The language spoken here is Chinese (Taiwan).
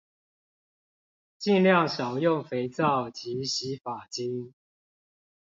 儘量少用肥皂及洗髮精